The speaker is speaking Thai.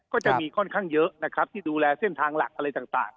ก็จะมีค่อนข้างเยอะนะครับที่ดูแลเส้นทางหลักอะไรต่าง